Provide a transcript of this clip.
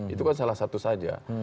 itu kan salah satu saja